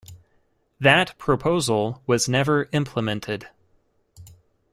That proposal was never implemented.